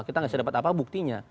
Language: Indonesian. kita nggak bisa dapat apa buktinya